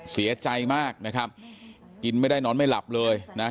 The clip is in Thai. เสียใจมากนะครับกินไม่ได้นอนไม่หลับเลยนะ